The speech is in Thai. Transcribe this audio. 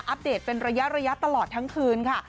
เดตเป็นระยะตลอดทั้งคืนค่ะ